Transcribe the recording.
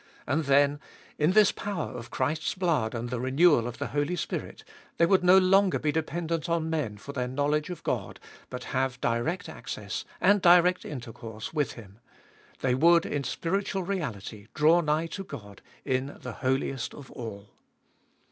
And then, in this power of Christ's blood and the renewal of the Holy Spirit, they would no longer be dependent on men for their knowledge of God, but Ibolfest of BU 200 have direct access and direct intercourse with Him. They would, in spiritual reality, draw nigh to God in the Holiest of All.